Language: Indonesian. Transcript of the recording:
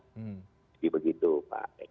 jadi begitu pak